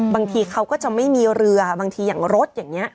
บางทีเขาก็จะไม่มีเรือบางทีอย่างรถอย่างนี้